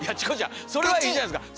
それはいいじゃないですか。